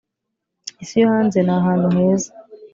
isi yo hanze ni ahantu heza,